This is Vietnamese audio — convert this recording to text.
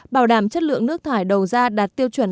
bảo đảm chất lượng nước thải đầu ra đạt tiêu chuẩn